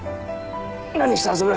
何して遊ぶ？